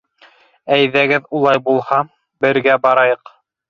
— Әйҙәгеҙ улай булһа, бергә барайыҡ.